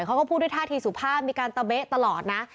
เขาก็พูดด้วยท่าทีสุภาพมีการตะเบ๊ะตลอดนะ